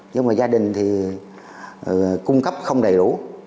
nhưng mà gia đình thì cung cấp không đầy đủ